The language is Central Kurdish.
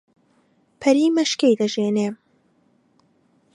پەری مەشکەی دەژێنێ